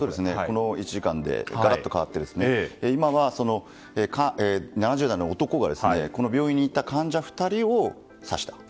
この１時間でガラッと変わって今は７０代の男が病院にいた患者２人を刺したと。